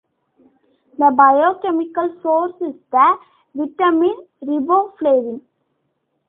The biochemical source is the vitamin riboflavin.